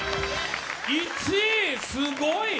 １位、すごい！